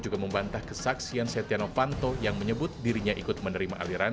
juga membantah kesaksian setia novanto yang menyebut dirinya ikut menerima aliran